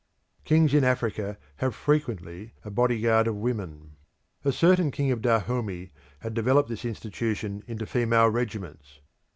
Kings in Africa have frequently a bodyguard of women. A certain king of Dahomey had developed this institution into female regiments.